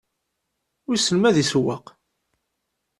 Wissen ma ad issewweq?